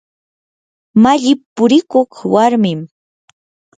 malli purikuq warmim.